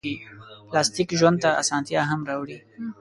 پلاستيک ژوند ته اسانتیا هم راوړي.